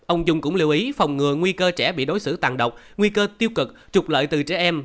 ông dung cũng lưu ý phòng ngừa nguy cơ trẻ bị đối xử tàn độc nguy cơ tiêu cực trục lợi từ trẻ em